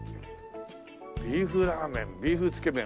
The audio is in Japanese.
「ビーフラーメンビーフつけ麺」